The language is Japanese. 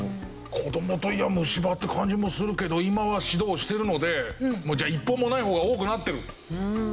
子どもといえば虫歯って感じもするけど今は指導してるのでもうじゃあ１本もない方が多くなってる！